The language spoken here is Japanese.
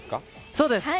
そうです。